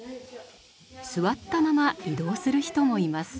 座ったまま移動する人もいます。